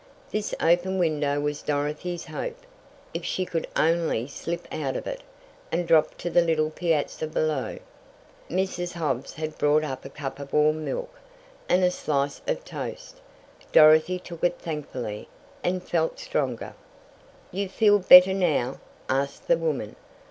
This open window was Dorothy's hope. If she could only slip out of it, and drop to the little piazza below! Mrs. Hobbs had brought up a cup of warm milk, and a slice of toast. Dorothy took it thankfully, and felt stronger. "You feel better now?" asked the woman.